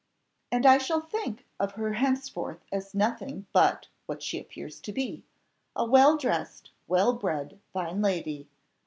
"And I shall think of her henceforth as nothing but what she appears to be, a well dressed, well bred, fine lady.